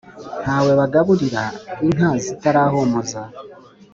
Ntawe bagaburira inka zitarahumuza